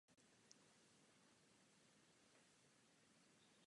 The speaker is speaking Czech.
Nyní je přemístěn jižně od kostela svatého Václava.